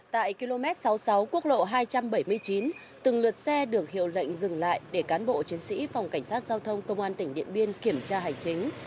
tại km sáu mươi sáu quốc lộ hai trăm bảy mươi chín từng lượt xe được hiệu lệnh dừng lại để cán bộ chiến sĩ phòng cảnh sát giao thông công an tỉnh điện biên kiểm tra hành chính